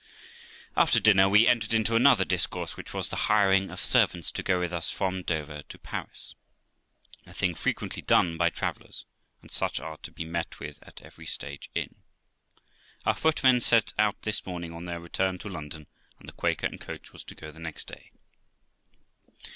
After dinner, we entered into another discourse, which was the hiring of servants to go with us from Dover to Paris; a thing frequently done by travellers ; and such are to be met with at every stage inn. Our footmen set out this morning on their return to London, and the Quaker and coach was to go the next day.